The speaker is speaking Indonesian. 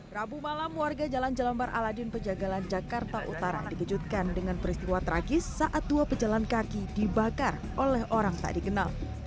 rabu malam warga jalan jelambar aladin pejagalan jakarta utara dikejutkan dengan peristiwa tragis saat dua pejalan kaki dibakar oleh orang tak dikenal